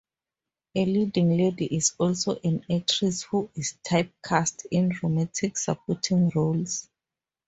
A leading lady is also an actress who is typecast in romantic supporting roles.